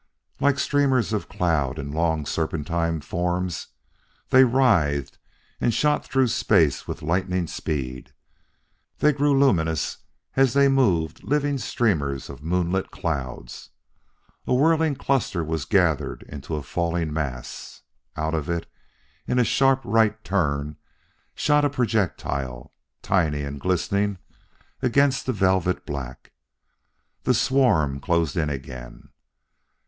Like streamers of cloud in long serpentine forms, they writhed and shot through space with lightning speed. They grew luminous as they moved living streamers of moonlit clouds.... A whirling cluster was gathered into a falling mass. Out of it in a sharp right turn shot a projectile, tiny and glistening against the velvet black. The swarm closed in again....